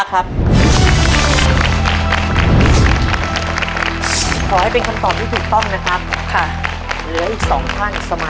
ขอให้เป็นคำตอบที่ถูกต้องนะครับ